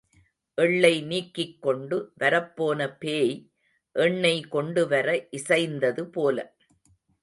எள்ளை நீக்கிக் கொண்டு வரப்போன பேய் எண்ணெய் கொண்டு வர இசைந்தது போல.